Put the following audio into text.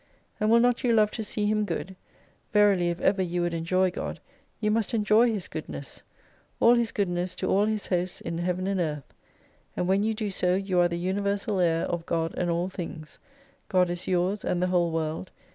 And will not you love to see Him good ? Verily, if ever you would enjoy God, you must enjoy His goodness : All His goodness to all His hosts in Heaven and Earth. And when you do so, you arc the universal heir of God and all things. God is yours and the whole world.